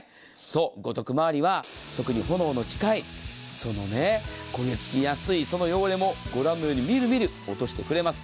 ゴトク周りは特に炎の近いその焦げ付きやすい汚れもご覧のようにみるみる落としてくれます。